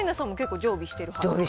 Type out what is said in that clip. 常備してる。